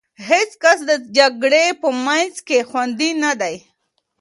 هېڅ کس د جګړې په منځ کې خوندي نه دی.